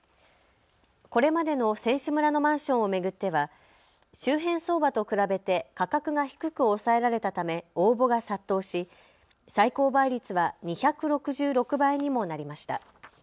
これまでの選手村のマンションを巡っては周辺相場と比べて価格が低く抑えられたため応募が殺到し、最高倍率は２６６倍にもなりました。